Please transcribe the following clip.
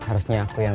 kamu ada apa apa kang